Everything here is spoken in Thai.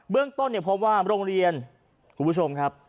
เรื่องต้นเนี่ยพบว่าโรงเรียนคุณผู้ชมครับ